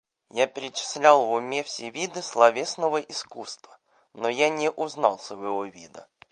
Я перечислял в уме все виды словесного искусства, но я не узнал своего вида.